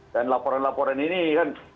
dan laporan laporan ini kan